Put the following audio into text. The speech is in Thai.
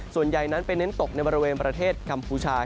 ส่วนใหญ่นั้นไปเน้นตกในบริเวณประเทศกัมพูชา